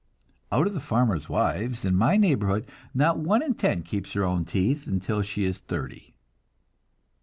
Out of the farmers' wives in my neighborhood, not one in ten keeps her own teeth until she is thirty."